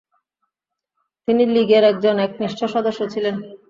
তিনি লীগের একজন একনিষ্ঠ সদস্য ছিলেন।